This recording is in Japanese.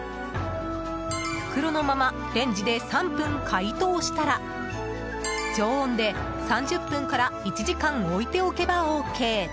袋のままレンジで３分解凍したら常温で３０分から１時間置いておけばＯＫ。